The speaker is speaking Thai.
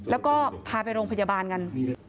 แล้วก็พาไปโรงพยาบาลกัน